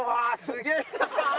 すげえな。